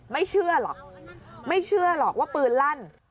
ไม่เชื่อหรอกไม่เชื่อหรอกว่าปืนลั่น